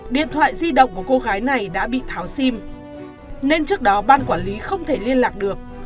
điện thoại di động của cô gái này đã bị tháo sim nên trước đó ban quản lý không thể liên lạc được